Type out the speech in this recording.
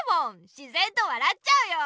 しぜんと笑っちゃうよ！